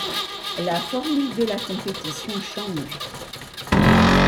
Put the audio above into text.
La formule de la compétition change.